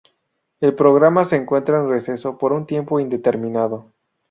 El programa se encuentra en receso por un tiempo indeterminado.